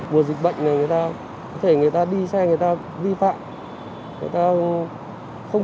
vừa dịch bệnh này người ta có thể người ta đi xe người ta vi phạm